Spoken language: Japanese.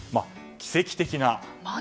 奇跡的な。